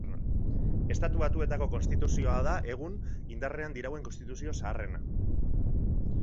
Estatu Batuetako Konstituzioa da gaur egun indarrean dirauen konstituzio zaharrena.